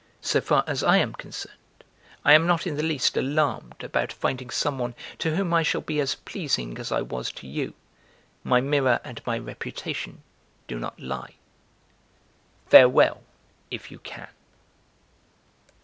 So far as I am concerned, I am not in the least alarmed about finding someone to whom I shall be as pleasing as I was to you; my mirror and my reputation do not lie. Farewell (if you can).